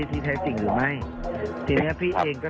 ที่แท้จริงหรือไม่ทีเนี้ยพี่เองก็